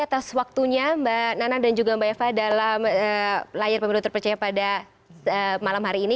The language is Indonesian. atas waktunya mbak nana dan juga mbak eva dalam layar pemilu terpercaya pada malam hari ini